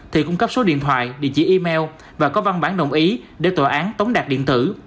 thì cung cấp số điện thoại địa chỉ email và có văn bản đồng ý để tòa án tống đạt điện tử